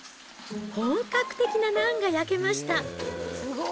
本格的なナンが焼けました。